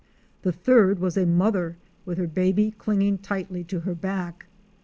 The third was a mother with her baby clinging tightly to her back.